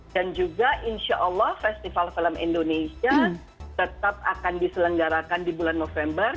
dan juga insya allah festival film indonesia tetap akan diselenggarakan di bulan november